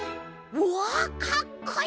うわかっこいい！